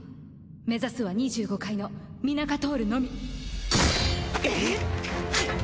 目指すは２５階のミナカトールのみ。